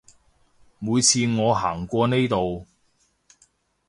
每次我行過呢度